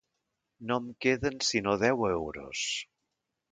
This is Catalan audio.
No em queden sinó deu euros.